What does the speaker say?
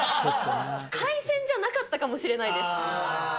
海鮮じゃなかったかもしれないです。